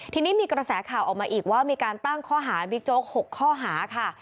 ทีนี้มีกระแสข่าวออกมาอีกว่ามีการตั้งข้อหาบิ๊กโจ๊ก๖ข้อหาค่ะ